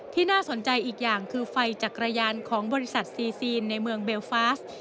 น่าสนใจอีกอย่างคือไฟจักรยานของบริษัทซีซีนในเมืองเบลฟาส